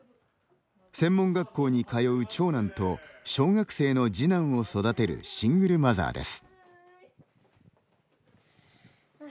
専門学校に通う長男と、小学生の次男を育てるシングルマザーです。